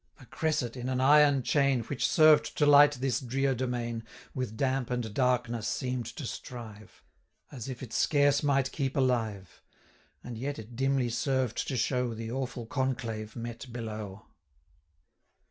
A cresset, in an iron chain, 350 Which served to light this drear domain, With damp and darkness seem'd to strive, As if it scarce might keep alive; And yet it dimly served to show The awful conclave met below.